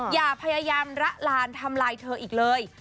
อย่าพยายามละลานทำลายเธออีกเลย